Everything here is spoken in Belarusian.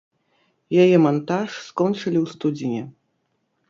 Яе мантаж скончылі ў студзені.